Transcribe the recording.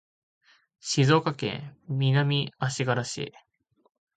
静岡県南足柄市